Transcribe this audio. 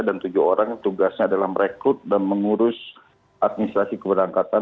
dan tujuh orang tugasnya adalah merekrut dan mengurus administrasi keberangkatan